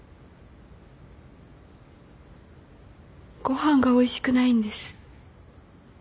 ご飯がおいしくないんです。